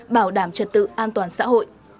bảo đảm trật tự an toàn xã hội